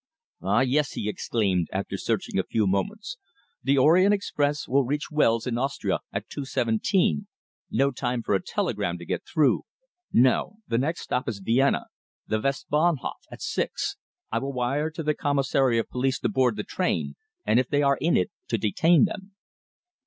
"Ah! yes," he exclaimed, after searching a few moments. "The Orient Express will reach Wels, in Austria, at 2.17, no time for a telegram to get through. No. The next stop is Vienna the Westbahnhof at 6. I will wire to the Commissary of Police to board the train, and if they are in it, to detain them."